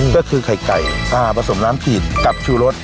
ก็คือไข่ไก่ผสมน้ำขีดกับชูรส